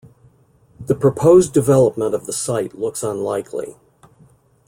The proposed development of the site looks unlikely.